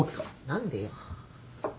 何でよ。